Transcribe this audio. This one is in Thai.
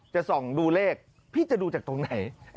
จะส่องดูเลขพี่จะดูจากตรงไหน